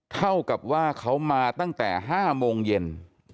เท่ากับว่าเขามาตั้งแต่๕โมงเย็น